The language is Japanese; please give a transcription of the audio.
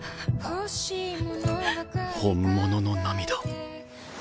本物の涙。